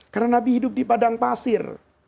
karena nabi hidup di padang pasir